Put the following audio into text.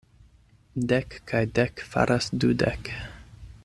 Dek kaj dek faras dudek.